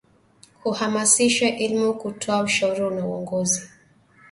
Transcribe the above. kuhamasisha elimu kutoa ushauri na uongozi